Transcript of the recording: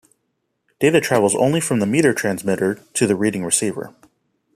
Data travels only from the meter transmitter to the reading receiver.